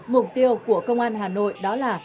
mục tiêu của công an hà nội đó là